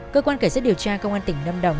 cơ quan kể sức điều tra công an tỉnh năm đồng